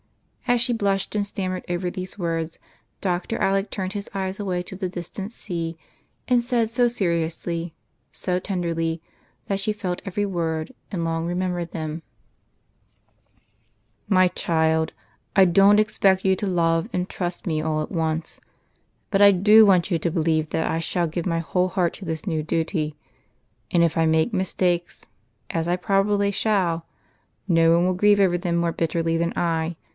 As she blushed and stammered over these words. Dr. Alec turned his eyes away to the distant sea, and said so seriously, so tenderly, that she felt every word and long remembered them, —" My child, I don't expect you to love and trust me all at once, but I do want you to believe that I shall give my whole heart to this new duty ; and if I make mistakes, as I probably shall, no one will grieve over them more bitterly than I.